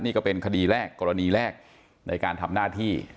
นี่ก็เป็นคดีแรกกรณีแรกในการทำหน้าที่